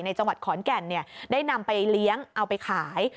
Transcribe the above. จังหวัดขอนแก่นได้นำไปเลี้ยงเอาไปขาย